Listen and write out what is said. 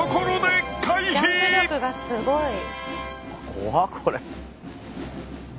怖っこれ。